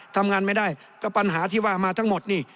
ทำงานไม่ได้ก็ปัญหาที่ว่ามาทั้งหมดนี่